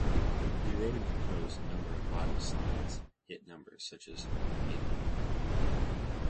He wrote and composed a number of Vital Signs' hit numbers such as "Aitebar".